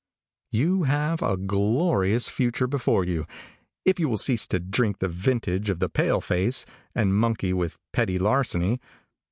You have a glorious future before you, if you will cease to drink the vintage of the pale face, and monkey with petty larceny.